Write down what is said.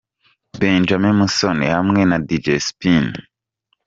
Benjamin Musoni hamwe na Dj Spin.